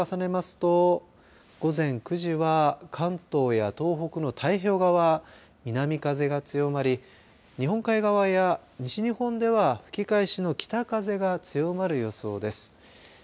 風の予想も重ねますと午前９時は関東や東北の太平洋側南風が強まり日本海側や西日本側では吹き返しの北風が強まる予想です。